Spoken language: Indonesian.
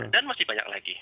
dan masih banyak lagi